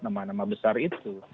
nama nama besar itu